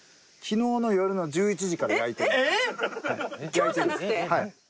今日じゃなくて？